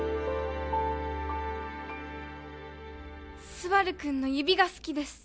スバル君の指が好きです